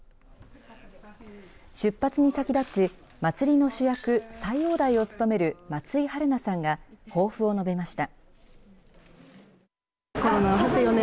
出発に先立ち祭りの主役斎王代を務める松井陽菜さんが抱負を述べました。